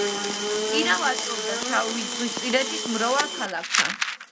ტირა ვაჭრობდა შავიზღვისპირეთის მრავალ ქალაქთან.